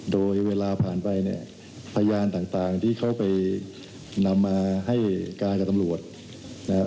โดยเวลาผ่านไปเนี่ยพยานต่างที่เขาไปนำมาให้การกับตำรวจนะครับ